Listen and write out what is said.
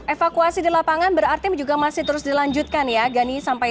evakuasi di lapangan berarti juga masih terus dilanjutkan ya gani sampai